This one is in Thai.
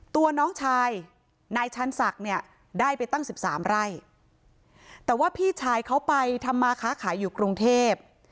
ตัวน้องชายนายชันศักดิ์เนี่ยได้ไปตั้งสิบสามไร่แต่ว่าพี่ชายเขาไปทำมาค้าขายอยู่กรุงเทพ